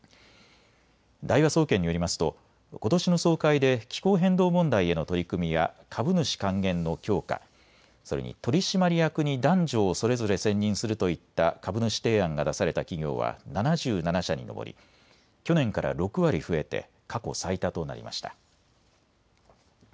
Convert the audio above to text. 大和総研によりますとことしの総会で気候変動問題への取り組みや株主還元の強化、それに取締役に男女をそれぞれ選任するといった株主提案が出された企業は７７社に上り去年から６割増えて過去最多となりました。